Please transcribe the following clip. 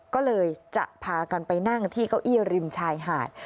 ก็เลยจะพากันไปนั่งที่เก้าอี้ริมชายหาด